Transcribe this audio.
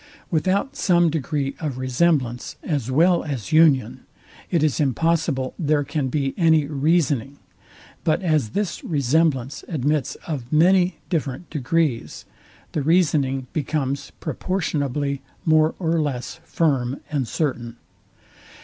Without some degree of resemblance, as well as union, it is impossible there can be any reasoning: but as this resemblance admits of many different degrees, the reasoning becomes proportionably more or less firm and certain.